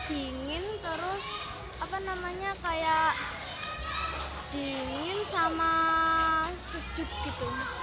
dingin terus apa namanya kayak dingin sama sejuk gitu